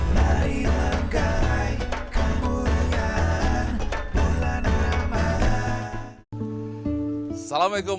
marilah gapai kemuliaan bulan ramadhan